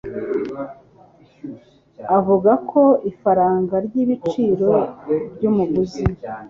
avuga ko ifaranga ry'ibiciro by'umuguzi